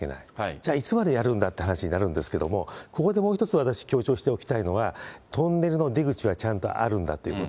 じゃあ、いつまでやるんだって話になるんですけれども、ここでもう一つ私、強調しておきたいのは、トンネルの出口はちゃんとあるんだということ。